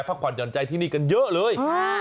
พักผ่อนหย่อนใจที่นี่กันเยอะเลย